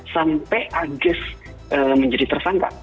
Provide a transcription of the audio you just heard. sampai agis menjadi tersangka